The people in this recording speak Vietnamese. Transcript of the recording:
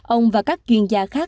ông và các chuyên gia khác